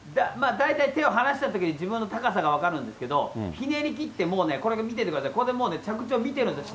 大体手を放したときに自分の高さが分かるんですけど、ひねりきって、もうね、これ見てください、これで着地を見てるんです。